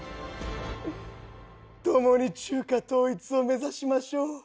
共に中華統一を目指しましょう。